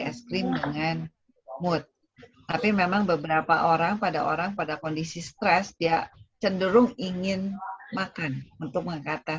es krim dengan mood tapi memang beberapa orang yang menggunakan es krim membuat rasa halus melihatnya